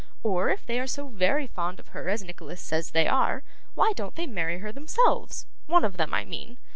Or, if they are so very fond of her as Nicholas says they are, why don't they marry her themselves one of them I mean?